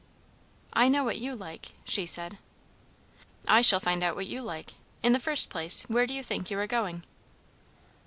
"I know what you like," she said. "I shall find out what you like. In the first place, where do you think you are going?"